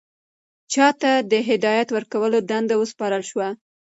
چا ته د هدایت ورکولو دنده وسپارل شوه؟